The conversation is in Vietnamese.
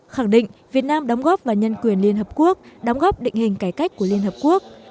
khẳng định việt nam đóng góp vào nhân quyền liên hợp quốc đóng góp định hình cải cách của liên hợp quốc